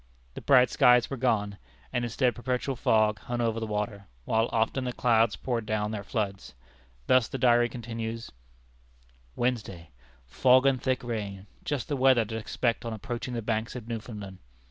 The bright skies were gone; and instead perpetual fog hung over the water, while often the clouds poured down their floods. Thus the diary continues: "Wednesday. Fog and thick rain just the weather to expect on approaching the Banks of Newfoundland.